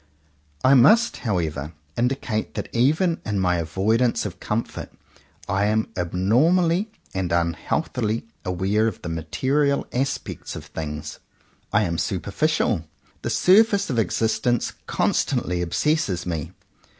I must however indicate that even in my avoidance of comfort I am abnormally and unhealthily aware of the material aspects of things. I am superficial. The surface of existence constantly obsesses me.